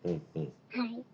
はい。